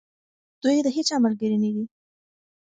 دوی د هیچا ملګري نه دي.